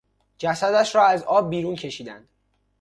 جسدش را از آب بیرون کشیدند.